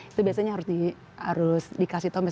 itu biasanya harus dikasih tommy